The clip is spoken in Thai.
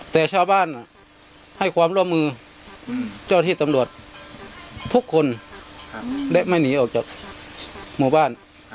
แต่ชาวบ้านให้ความร่วมมือเจ้าที่ตำรวจทุกคนและไม่หนีออกจากหมู่บ้าน